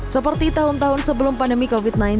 seperti tahun tahun sebelum pandemi covid sembilan belas